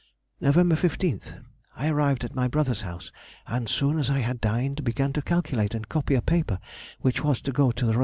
Nov. 15th.—I arrived at my brother's house, and as soon as I had dined began to calculate and copy a paper which was to go to the R.S.